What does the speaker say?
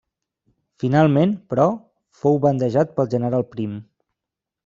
Finalment, però, fou bandejat pel general Prim.